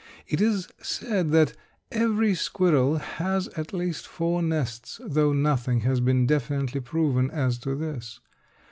It is said that every squirrel has at least four nests, though nothing has been definitely proven as to this.